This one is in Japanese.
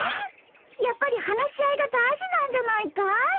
やっぱり話し合いが大事なんじゃないかい？